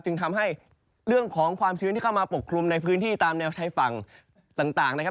จึงทำให้เรื่องของความชื้นที่เข้ามาปกคลุมในพื้นที่ตามแนวชายฝั่งต่างนะครับ